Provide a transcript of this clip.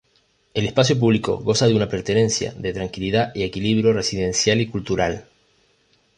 El espacio público goza de una pertenencia de tranquilidad y equilibrio residencial y cultural.